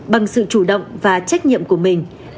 bằng sự chủ động và trách nhiệm của mình